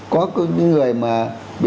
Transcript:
có những người mà bị